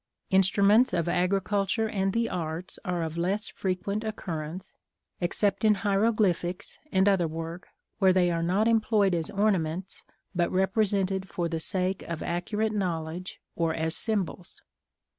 Instruments of agriculture and the arts are of less frequent occurrence, except in hieroglyphics, and other work, where they are not employed as ornaments, but represented for the sake of accurate knowledge, or as symbols.